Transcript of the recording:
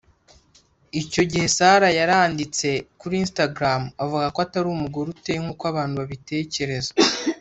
Icyo gihe Sarah yanditse kuri Instagram avuga ko atari umugore uteye nk’uko abantu babitekereza